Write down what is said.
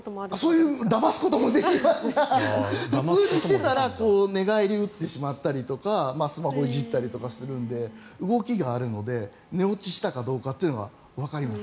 そうだますこともできますが普通にしてたら寝返りを打ってしまったりとかスマホをいじったりしてしまうとかの動きがあるので寝落ちしたかどうかってのがわかります。